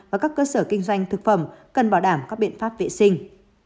và các cơ sở kinh doanh thực phẩm cần bảo đảm các biện pháp vệ sinh